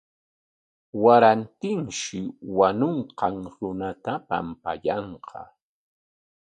Warantinshi wañunqan runata pampayanqa.